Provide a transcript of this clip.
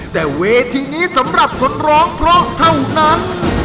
แต่เวทีนี้สำหรับคนร้องเพราะเท่านั้น